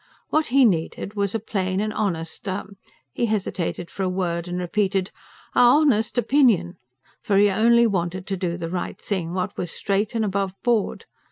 What he needed was a plain and honest, a ... he hesitated for a word and repeated, "a Honest opinion;" for he only wanted to do the right thing, what was straight and above board.